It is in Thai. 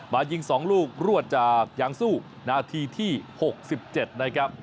มายิง๒ลูกรวดจากยางสู้นาทีที่๖๗นะครับ